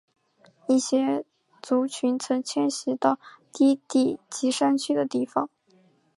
一些族群曾迁徙到低地及山区的地方。